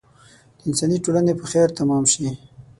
د انساني ټولنې په خیر تمام شي.